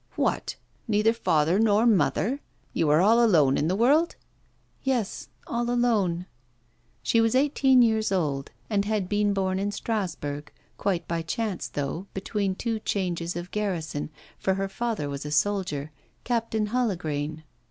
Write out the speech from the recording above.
'What! neither father nor mother? You are all alone in the world?' 'Yes; all alone.' She was eighteen years old, and had been born in Strasburg, quite by chance, though, between two changes of garrison, for her father was a soldier, Captain Hallegrain.